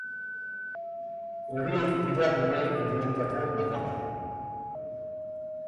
Horiek dira gure errealitate bakarra.